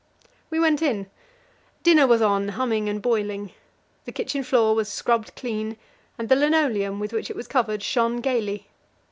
We went in. Dinner was on, humming and boiling. The kitchen floor was scrubbed clean, and the linoleum with which it was covered shone gaily.